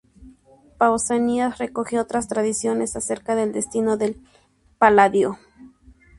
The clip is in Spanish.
Pausanias recoge otras tradiciones acerca del destino del Paladio.